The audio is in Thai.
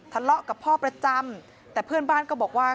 ทะเลาะกับพ่อประจำแต่เพื่อนบ้านก็บอกว่า